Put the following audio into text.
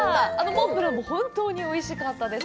モンブランも本当においしかったです。